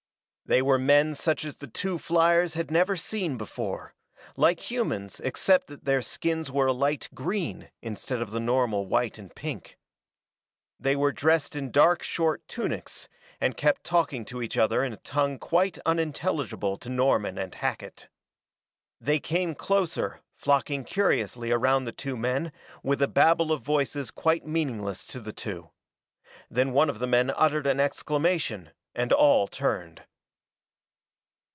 They were men such as the two fliers had never seen before, like humans except that their skins were a light green instead of the normal white and pink. They were dressed in dark short tunics, and kept talking to each other in a tongue quite unintelligible to Norman and Hackett. They came closer, flocking curiously around the two men, with a babel of voices quite meaningless to the two. Then one of the men uttered an exclamation, and all turned.